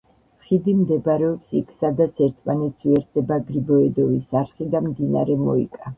ხიდი მდებარეობს იქ სადაც ერთმანეთს უერთდება გრიბოედოვის არხი და მდინარე მოიკა.